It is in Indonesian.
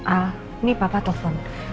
al ini papa telepon